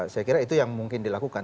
saya kira itu yang mungkin dilakukan